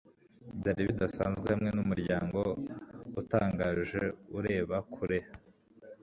Byari bidasanzwe hamwe numucyo utangaje ureba kure